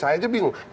saya aja bingung